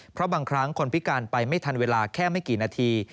เพราะบางครั้งคนพิการไปไม่ทันเวลาแค่ไม่กี่นาที